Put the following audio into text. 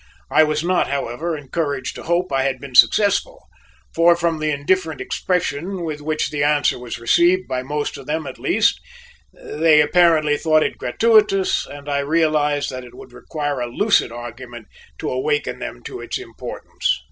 I was not, however, encouraged to hope I had been successful, for from the indifferent expression with which the answer was received by most of them at least, they apparently thought it gratuitous and I realized that it would require a lucid argument to awaken them to its importance.